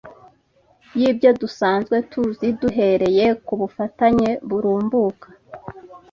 y'ibyo dusanzwe tuzi duhereye kubufatanye burumbuka,